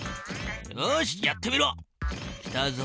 よしやってみろ！来たぞ。